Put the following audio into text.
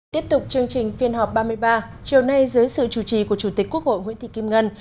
tiếp tục chương trình phiên họp ba mươi ba chiều nay dưới sự chủ trì của chủ tịch quốc hội nguyễn thị kim ngân